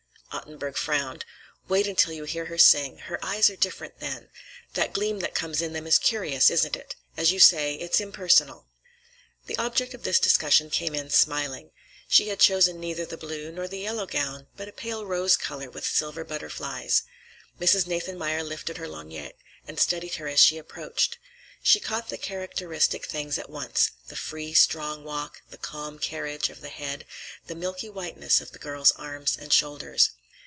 Ottenburg frowned. "Wait until you hear her sing. Her eyes are different then. That gleam that comes in them is curious, isn't it? As you say, it's impersonal." The object of this discussion came in, smiling. She had chosen neither the blue nor the yellow gown, but a pale rose color, with silver butterflies. Mrs. Nathanmeyer lifted her lorgnette and studied her as she approached. She caught the characteristic things at once: the free, strong walk, the calm carriage of the head, the milky whiteness of the girl's arms and shoulders.